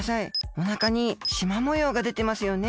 おなかにしまもようがでてますよね。